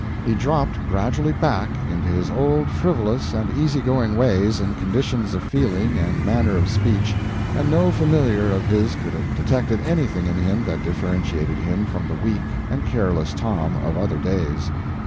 He dropped gradually back into his old frivolous and easy going ways and conditions of feeling and manner of speech, and no familiar of his could have detected anything in him that differentiated him from the weak and careless Tom of other days.